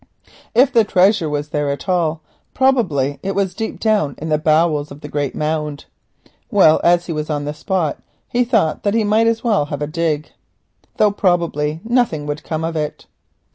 If the treasure was there at all, probably it was deep down in the bowels of the great mound. Well, as he was on the spot, he thought that he might as well try to dig, though probably nothing would come of it.